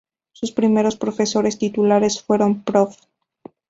Sus primeros profesores titulares fueron Prof.